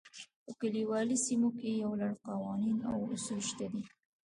په کلیوالي سیمو کې یو لړ قوانین او اصول شته دي.